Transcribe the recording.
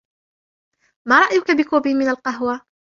ما رأيك بكوب من القهوة ؟